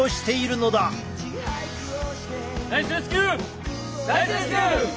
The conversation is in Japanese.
ナイスレスキュー！